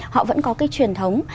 họ vẫn có cái truyền thống